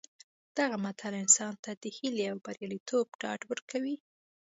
دغه متل انسان ته د هیلې او بریالیتوب ډاډ ورکوي